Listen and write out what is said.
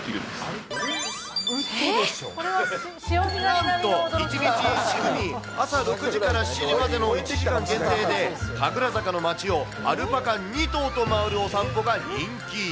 なんと１日１組、朝６時から７時までの１時間限定で、神楽坂の街をアルパカ２頭と回るお散歩が人気。